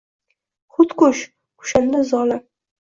Xudkush – kushanda zolim.